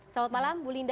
selamat malam ibu linda